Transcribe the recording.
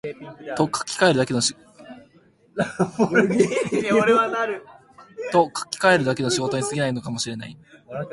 と書きかえるだけの仕事に過ぎないかも知れない